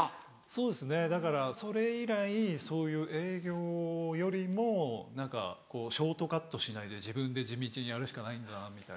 そうですねだからそれ以来そういう営業よりも何かショートカットしないで自分で地道にやるしかないんだなみたいな。